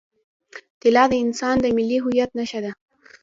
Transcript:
طلا د افغانستان د ملي هویت نښه ده.